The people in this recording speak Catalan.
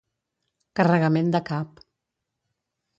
Carregament de cap.